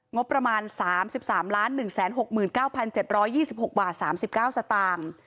งบประมาณ๓๓๑๖๙๗๒๖บาท๓๙สตางค์